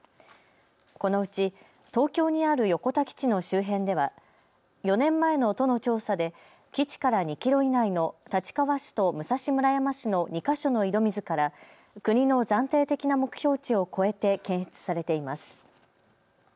このうち東京にある横田基地の周辺では４年前の都の調査で基地から２キロ以内の立川市と武蔵村山市の２か所の井戸水から国の暫定的な目標値を超えて検出されています。